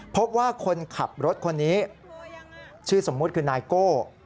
พบว่าคนขับรถคนนี้ชื่อสมมุติคือนายโก้